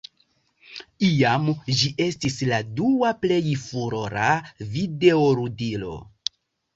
Iam ĝi estis la dua plej furora videoludilo.